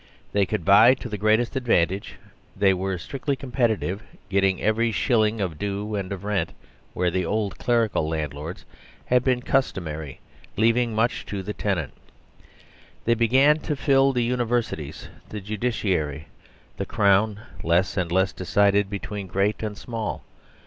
They could buy to the greatest advantage. They were strictly competitive, getting every shilling of due and of rent where the old clerical landlords had been customary leaving much to the tenant. They be gan to fill the universities, the judiciary. The Crown less and less decided between great and small.